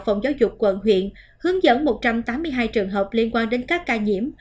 phòng giáo dục quận huyện hướng dẫn một trăm tám mươi hai trường hợp liên quan đến các ca nhiễm